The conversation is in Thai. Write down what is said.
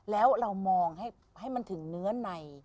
แล้วเรามองให้มันถึงเนื้อใน